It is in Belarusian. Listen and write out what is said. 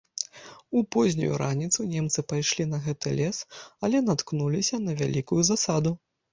У познюю раніцу немцы пайшлі на гэты лес, але наткнуліся на вялікую засаду.